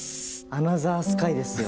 『アナザースカイ』ですよ。